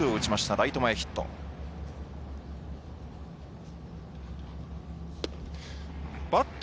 ライト前ヒット。